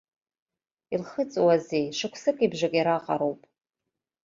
Илхыҵуазеи, шықәсыки бжаки раҟароуп.